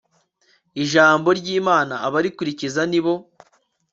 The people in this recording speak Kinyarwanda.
ijambo ry'imana; abarikurikiza, ni bo